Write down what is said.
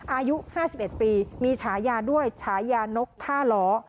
อายุ๕๑ปีมีฉายาด้วยฉายานกท่าล้อ